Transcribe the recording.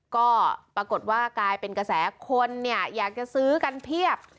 ก็ปรากฏว่ากลายเป็นกระแสคนเนี่ยอยากจะซื้อกันเพียบ